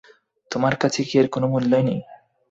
তোমার কাছে কি এর কোনো মূল্যই নেই?